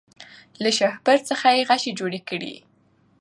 له شهپر څخه یې غشی دی جوړ کړی